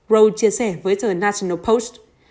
rowe chia sẻ với the national post